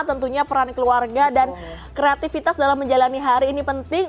tentunya peran keluarga dan kreativitas dalam menjalani hari ini penting